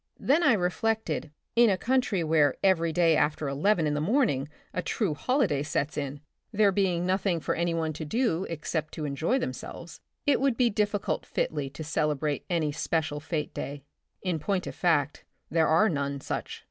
Then I reflected, in a country, where everyday after eleven in the morning a true holiday sets 78 The Republic of the Future. in, there being nothing for any one to do except to enjoy themselves, it would be difficult fitly to celebrate any special fete day. In pointof fact, there are none such.